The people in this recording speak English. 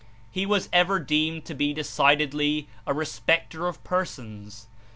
He was ever deemed to be decidedly a "respecter of persons."